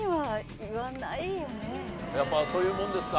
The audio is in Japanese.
やっぱそういうもんですか。